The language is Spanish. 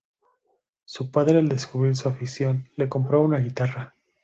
Su padre al descubrir su afición le compró una guitarra.